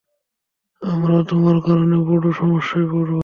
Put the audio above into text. আমরা তোমার কারণে বড় সমস্যায় পড়ব।